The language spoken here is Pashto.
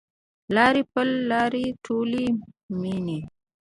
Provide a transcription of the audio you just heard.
لارې پل لارې ټولي میینې